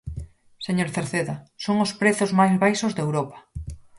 Señor Cerceda, son os prezos máis baixos de Europa.